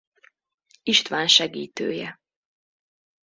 István segítője.